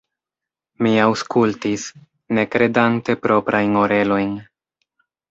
Mi aŭskultis, ne kredante proprajn orelojn.